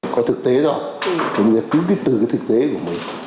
có thực tế rồi chúng ta cứ biết từ cái thực tế của mình